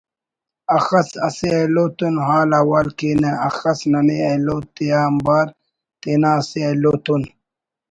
اخس اسہ ایلو تون حال حوال کینہ اخس ننے ایلو تیانبار تینا اسہ ایلو تون